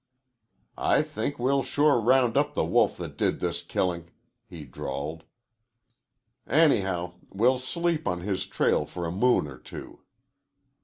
"I think we'll sure round up the wolf that did this killin'," he drawled. "Anyhow, we'll sleep on his trail for a moon or two."